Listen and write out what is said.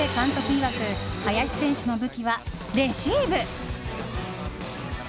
いわく林選手の武器はレシーブ！